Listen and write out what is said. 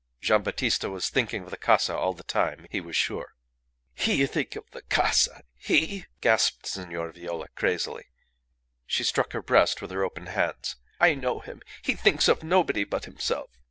Gian' Battista was thinking of the casa all the time, he was sure. "He think of the casa! He!" gasped Signora Viola, crazily. She struck her breast with her open hands. "I know him. He thinks of nobody but himself."